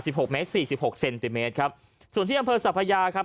หกเมตรสี่สิบหกเซนติเมตรครับส่วนที่อำเภอสัพพยาครับ